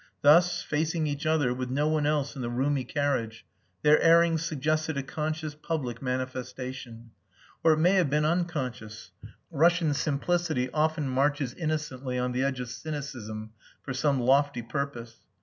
Thus, facing each other, with no one else in the roomy carriage, their airings suggested a conscious public manifestation. Or it may have been unconscious. Russian simplicity often marches innocently on the edge of cynicism for some lofty purpose.